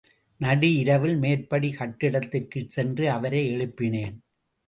நடு இரவில் மேற்படி கட்டிடத்திற்குச் சென்று அவரை எழுப்பினேன்.